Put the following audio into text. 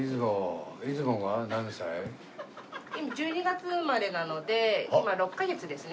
１２月生まれなので今６カ月ですね。